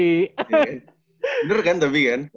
bener kan tapi kan